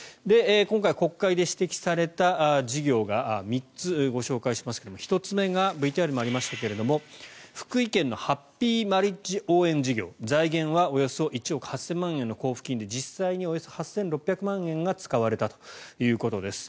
今回、国会で指摘された事業が３つ、ご紹介しますが１つ目がＶＴＲにもありましたが福井県のハッピーマリッジ応援事業財源はおよそ１億８０００万円の交付金で実際におよそ８６００万円が使われたということです。